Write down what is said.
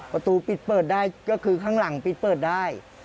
ประตูปิดเปิดได้ก็คือข้างหลังปิดเปิดได้